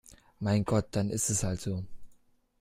Mein Gott, dann ist es halt so!